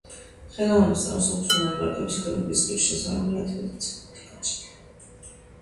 ხელოვანებს წარმოსახვის უნარი, მარტოობისკენ უბიძგებს, შესაბამისად მათ მეტად სევდიანსა და კარჩაკეტილს ხდის.